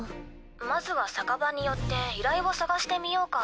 まずは酒場に寄って依頼を探してみようか。